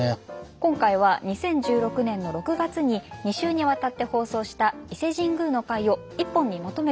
今回は２０１６年の６月に２週にわたって放送した伊勢神宮の回を１本にまとめてお送りします。